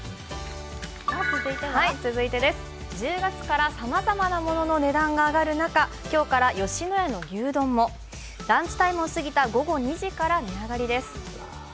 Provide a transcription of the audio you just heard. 続いてです、１０月からさまざまなものの値段が上がる中、今日から吉野家の牛丼も、ランチタイムを過ぎた午後２時から値上がりです。